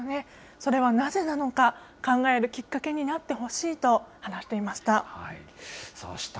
それはなぜなのか、考えるきっかけになってほしいと話していました。